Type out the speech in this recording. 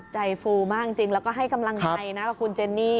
ฟูมากจริงแล้วก็ให้กำลังใจนะกับคุณเจนนี่